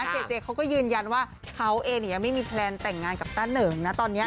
เจเจเขาก็ยืนยันว่าเขาเองยังไม่มีแพลนแต่งงานกับต้าเหนิงนะตอนนี้